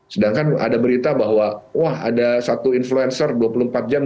sedangkan ada berita bahwa wah ada satu influencer dua puluh empat jam